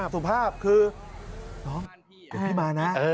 สุภาพคือน้องเดี๋ยวพี่มานะ